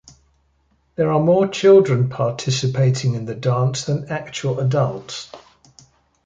There are more children participating in the dance than actual adults.